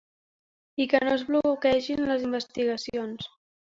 I que no es bloquegin les investigacions.